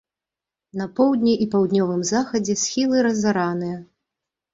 На поўдні і паўднёвым захадзе схілы разараныя.